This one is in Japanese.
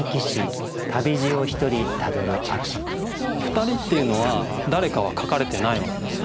「ふたり」っていうのは誰かは書かれてないわけですよ。